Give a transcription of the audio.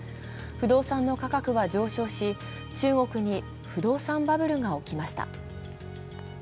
不動産の価格は上昇し、中国に不動産バブルが起きました。